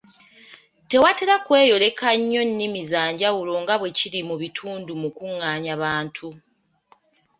Tewatera kweyolekerayo nnyo nnimi za njawulo nga bwe kiri mu bitundu mukungaanyabantu.